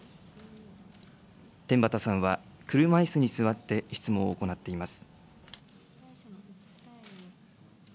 天畠さんは車いすに座って、質問を行っています。